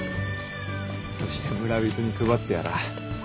そして村人に配ってやらぁ。